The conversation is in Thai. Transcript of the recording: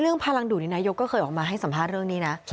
เรื่องพลังดุนินายก็เคยออกมาให้สัมภาษณ์เรื่องนี้นะ